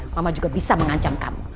mama juga bisa mengancam kamu